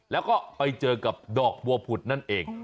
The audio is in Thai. แล้วก็ไปเจอกับดอกบัวผุดนั่นเอง